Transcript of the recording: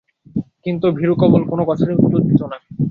কিন্তু ভীরু কমল কোনো কথারই উত্তর দিত না।